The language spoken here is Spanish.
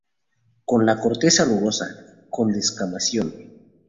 Con la corteza rugosa, con descamación.